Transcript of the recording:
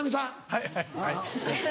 はいはいはい。